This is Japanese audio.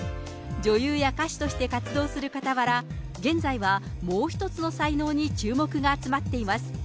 女優や歌手として活動するかたわら、現在はもう一つの才能に注目が集まっています。